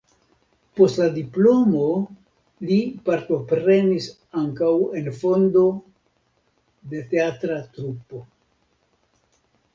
Post la diplomo li partoprenis ankaŭ en fondo de teatra trupo.